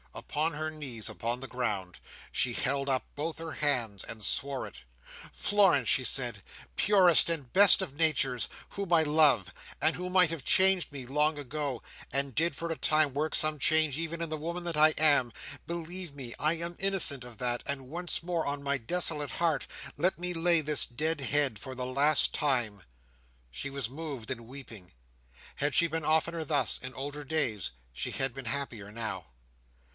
Upon her knees upon the ground, she held up both her hands, and swore it. "Florence!" she said, "purest and best of natures,—whom I love—who might have changed me long ago, and did for a time work some change even in the woman that I am,—believe me, I am innocent of that; and once more, on my desolate heart, let me lay this dear head, for the last time!" She was moved and weeping. Had she been oftener thus in older days, she had been happier now.